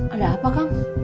ada apa kang